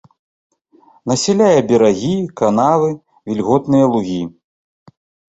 Насяляе берагі, канавы, вільготныя лугі.